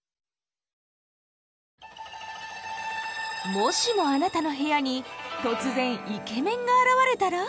もしもあなたの部屋に突然イケメンが現れたら？